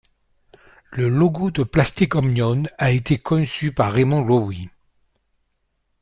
Le logo de Plastic Omnium a été conçu par Raymond Loewy.